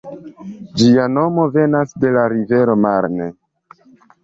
Ĝia nomo venas de la rivero Marne.